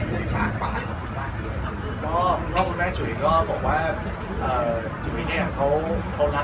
ก็คุณพ่อแม่ชุยก็บอกว่า